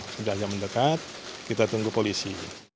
sudah saja mendekat kita tunggu polisi